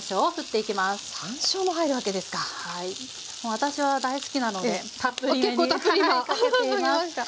私は大好きなのでたっぷりめにかけてみました。